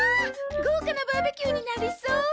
豪華なバーベキューになりそう！